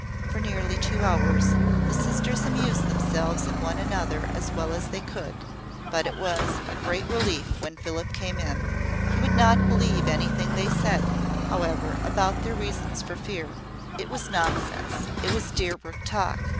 For nearly two hours, the sisters amused themselves and one another as well as they could: but it was a great relief when Philip came in. He would not believe anything they said, however, about their reasons for fear. It was nonsense it was Deerbrook talk.